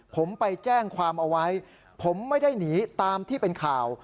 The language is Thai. ผมไปแจ้งความเอาไว้ผมไม่ได้หนีตามที่เป็นข่าว